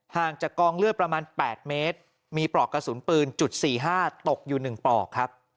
จากกองเลือดประมาณ๘เมตรมีปลอกกระสุนปืนจุด๔๕ตกอยู่๑ปลอกครับ